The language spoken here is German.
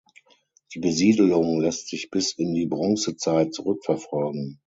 Die Besiedelung lässt sich bis in die Bronzezeit zurückverfolgen.